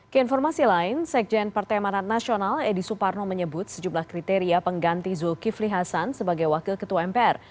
keinformasi lain sekjen partai manat nasional edi suparno menyebut sejumlah kriteria pengganti zulkifli hasan sebagai wakil ketua mpr